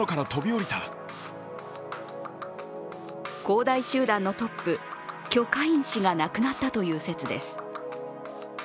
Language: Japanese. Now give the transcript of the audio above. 恒大集団のトップ、許家印氏が亡くなったという説です。